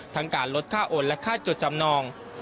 การลดค่าโอนและค่าจดจำนอง